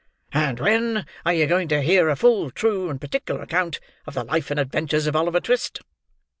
"And when are you going to hear a full, true, and particular account of the life and adventures of Oliver Twist?"